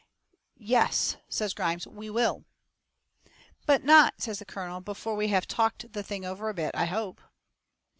"Yes," says Grimes, "WE WILL!" "But not," says the colonel, "before we have talked the thing over a bit, I hope?"